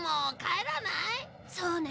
そうね。